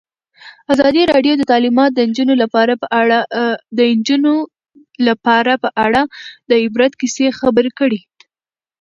ازادي راډیو د تعلیمات د نجونو لپاره په اړه د عبرت کیسې خبر کړي.